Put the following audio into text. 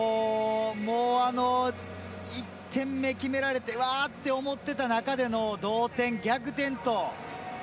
もう１点目、決められてうわーって思ってた中での同点、逆転と。